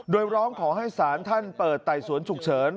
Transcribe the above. โดยร้องขอให้ศาลท่านเปิดไต่สวนฉุกเฉิน